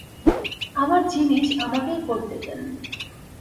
আমার জিনিস, আমাকেই করতে দেন।